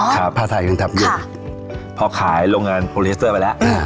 ครับพ่อไทยยังทำอยู่ค่ะพ่อขายโรงงานไปแล้วอ่า